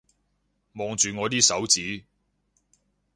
望住我啲手指